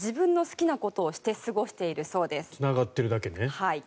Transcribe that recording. つながっているだけね。